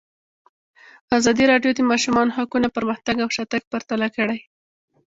ازادي راډیو د د ماشومانو حقونه پرمختګ او شاتګ پرتله کړی.